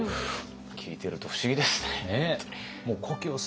聞いてると不思議ですね。